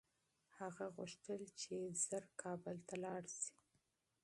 هغه غوښتل چي ژر کابل ته لاړ شي.